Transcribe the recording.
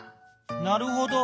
なるほど。